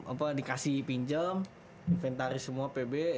apa dikasih pinjam inventaris semua pb